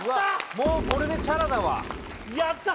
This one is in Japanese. もうこれでチャラだわやった！